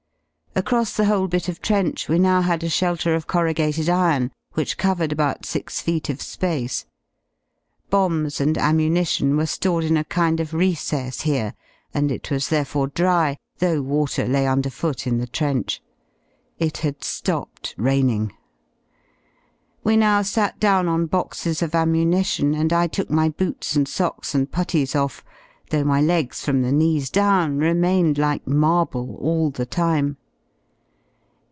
Across the whole bit of trench we now had a shelter of corrugated iron, which covered about six feet of space. Bombs and ammunition were ^ored in a kind of recess here, and it was therefore dry, though water lay underfoot in the trench. It had topped raining. We now sat down on boxes of ammunition, and I took my boots and socks and putties off, though my legs from the knees down remained like marble all the time.